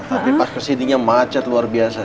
tapi pas kesininya macet luar biasa